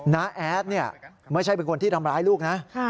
้าแอดเนี่ยไม่ใช่เป็นคนที่ทำร้ายลูกนะ